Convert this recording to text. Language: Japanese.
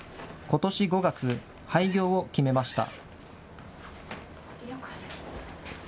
ことし５月、廃業を決めました。